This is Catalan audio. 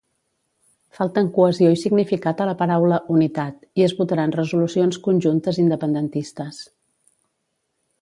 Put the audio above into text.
Falten cohesió i significat a la paraula "unitat", i es votaran resolucions conjuntes independentistes.